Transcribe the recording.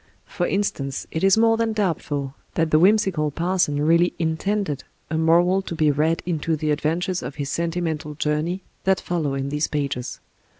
For instance, it is more than doubtful that the whimsical parson really intended a moral to be read into the adventures of his "Senti mental Journey" that follow jin these pages.